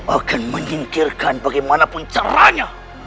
akan menyingkirkan bagaimanapun caranya